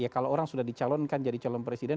kalau orang sudah di calon kan jadi calon presiden